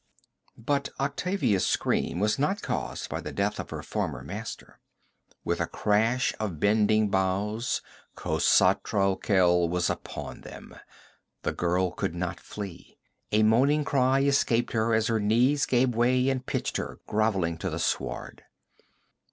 But Octavia's scream was not caused by the death of her former master. With a crash of bending boughs Khosatral Khel was upon them. The girl could not flee; a moaning cry escaped her as her knees gave way and pitched her grovelling to the sward.